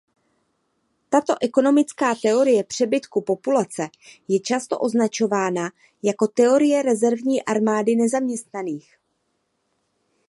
Tato ekonomická teorie přebytku populace je často označována jako "Teorie rezervní armády nezaměstnaných".